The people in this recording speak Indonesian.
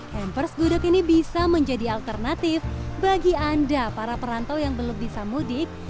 hampers gudeg ini bisa menjadi alternatif bagi anda para perantau yang belum bisa mudik